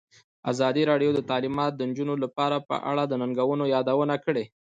ازادي راډیو د تعلیمات د نجونو لپاره په اړه د ننګونو یادونه کړې.